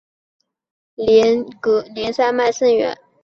红山脉的北端连接英格林山脉甚远。